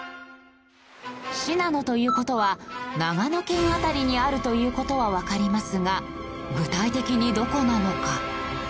信濃という事は長野県辺りにあるという事はわかりますが具体的にどこなのか？